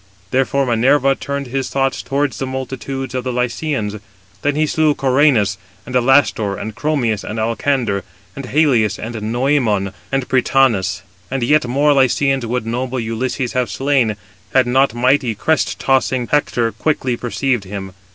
Therefore Minerva turned his thoughts towards the multitude of the Lycians. Then he slew Cœranus, and Alastor, and Chromius, and Alcander, and Halius, and Noëmon, and Prytanis. And yet more Lycians would noble Ulysses have slain, had not mighty crest tossing Hector quickly perceived him.